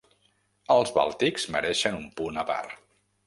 Els bàltics mereixen un punt a part.